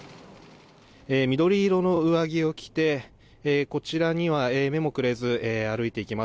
緑色の上着を着てこちらには目もくれず歩いていきます。